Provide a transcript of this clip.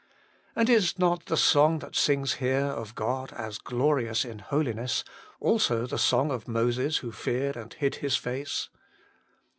And is not the song that sings here of God as glorious in holiness, also the song of Moses who feared and hid his face